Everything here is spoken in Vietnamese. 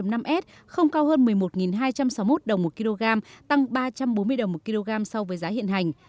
dầu mazuk một trăm tám mươi cst ba năm s không cao hơn một mươi một hai trăm sáu mươi một đồng một kwh tăng ba trăm bốn mươi đồng một kwh so với giá hiện hành